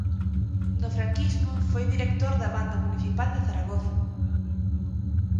No franquismo foi director da Banda Municipal de Zaragoza.